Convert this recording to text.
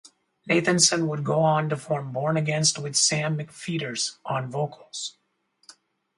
Nathanson would go on to form Born Against with Sam McPheeters on vocals.